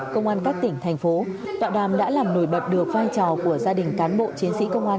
công an các tỉnh thành phố tọa đàm đã làm nổi bật được vai trò của gia đình cán bộ chiến sĩ công an